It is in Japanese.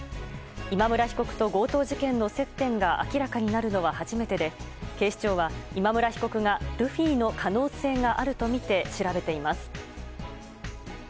今村被告と強盗事件の接点が明らかになるのは初めてで警視庁は、今村被告がルフィの可能性があるとみて調べています。